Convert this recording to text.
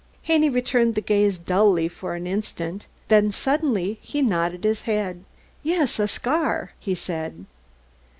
Haney returned the gaze dully for an instant, then suddenly he nodded his head. "Yes, a scar," he said.